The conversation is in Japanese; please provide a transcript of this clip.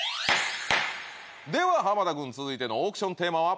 では田君続いてのオークションテーマは？